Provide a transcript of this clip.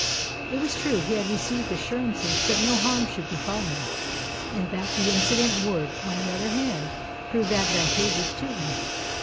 It was true he had received assurances that no harm should befall him; and that the incident would, on the other hand, prove advantageous to him.